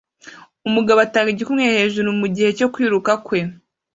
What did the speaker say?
Umugabo atanga igikumwe hejuru mugihe cyo kwiruka kwe